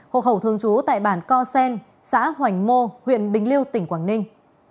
hộ khẩu thường trú tại bản co sen xã hoành mô huyện bình liêu tỉnh quảng ninh